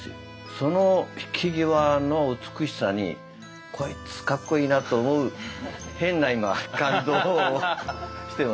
その引き際の美しさにこいつかっこいいなと思う変な今感動をしてます。